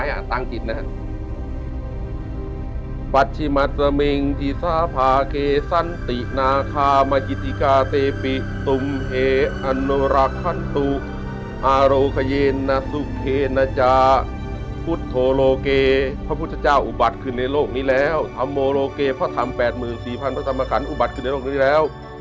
อยากได้สมบัติพญานกราชไหมอ่ะต่างจิตนะครับ